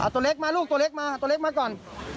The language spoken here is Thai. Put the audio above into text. เอาตัวเล็กมาลูกเอาตัวเล็กมาก่อน